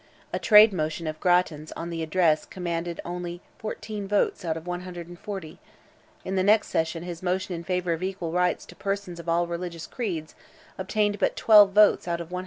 A trade motion of Grattan's on the address commanded only 14 votes out of 140; in the next session his motion in favour of equal rights to persons of all religious creeds, obtained but 12 votes out of 160!